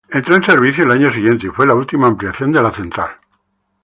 Entró en servicio al año siguiente y fue la última ampliación de la central.